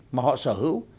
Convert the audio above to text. mà họ sở hữu